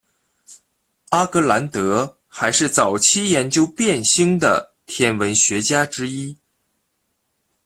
阿格兰德还是早期研究变星的天文学家之一。